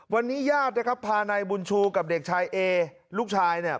วันนี้ญาตินะครับพานายบุญชูกับเด็กชายเอลูกชายเนี่ย